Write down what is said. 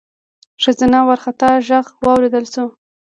ښځينه وارخطا غږ واورېدل شو: